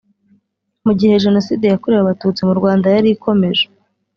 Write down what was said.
mu gihe Jenoside yakorewe Abatutsi mu Rwanda yari ikomeje